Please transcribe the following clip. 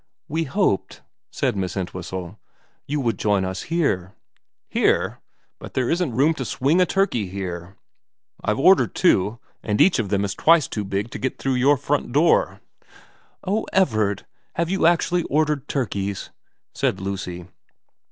' We hoped,' said Miss Entwhistle, * you would join us here.' ' Here ! But there isn't room to swing a turkey here. I've ordered two, and each of them is twice too big to get through your front door.' * Oh, Everard have you actually ordered turkeys ?' said Lucy.